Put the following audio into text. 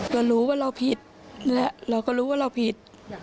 ก็รู้ว่าเราผิดและเราก็รู้ว่าเราผิด